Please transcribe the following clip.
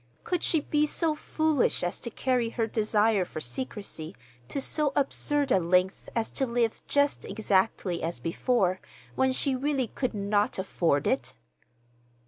Could she be so foolish as to carry her desire for secrecy to so absurd a length as to live just exactly as before when she really could not afford it?